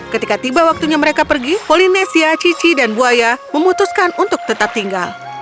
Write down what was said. ketika tiba waktunya mereka pergi volinesia cici dan buaya memutuskan untuk tetap tinggal